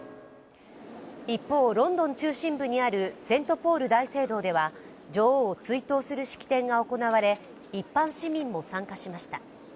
一方、ロンドン中心部にあるセントポール大聖堂では女王を追悼する式典が行われ一般市民も参加しました。